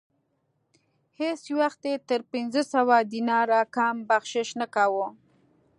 هیڅ وخت یې تر پنځه سوه دیناره کم بخشش نه کاوه.